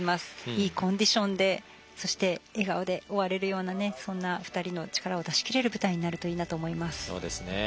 いいコンディションでそして、笑顔で終われるようなそんな２人の力を出しきれる舞台になれればと思います。